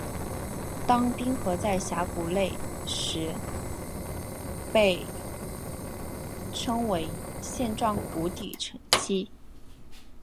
当冰河在峡谷内时则被称为线状谷底沉积。